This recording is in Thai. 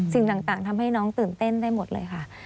สิ่งต่างทำให้น้องตื่นเต้นได้หมดเลยค่ะ